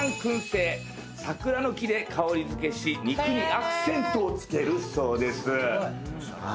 桜の木で香り付けし肉にアクセントをつけるそうです。